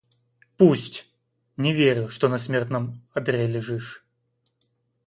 Пусть, — не верю, что на смертном одре лежишь.